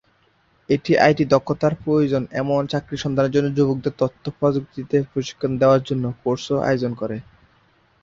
এটি আইটি দক্ষতার প্রয়োজন এমন চাকরির সন্ধানের জন্য যুবকদের তথ্য প্রযুক্তিতে প্রশিক্ষণ দেওয়ার জন্য কোর্সও আয়োজন করে।